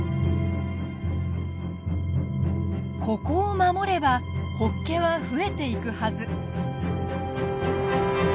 ここを守ればホッケは増えていくはず。